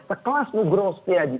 sekelas nugroh setiaji